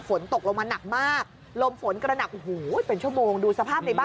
ฝนตกลงมาหนักมากลมฝนกระหนักโอ้โหเป็นชั่วโมงดูสภาพในบ้าน